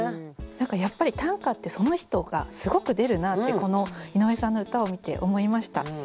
やっぱり短歌ってその人がすごく出るなってこの井上さんの歌を見て思いました。